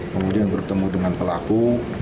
kemudian bertemu dengan pelaku